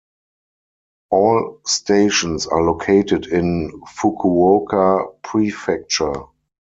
All stations are located in Fukuoka Prefecture.